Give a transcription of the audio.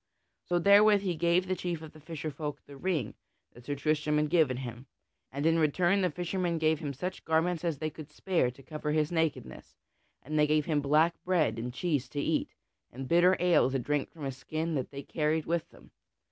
So therewith he gave the chief of the fisher folk the ring that Sir Tristram had given him, and in return the fishermen gave him such garments as they could spare to cover his nakedness; and they gave him black bread and cheese to eat, and bitter ale to drink from a skin that they carried with them.